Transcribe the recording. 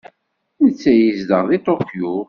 Netta yezdeɣ deg Tokyo.